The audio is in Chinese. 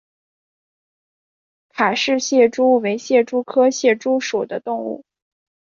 卡氏蟹蛛为蟹蛛科蟹蛛属的动物。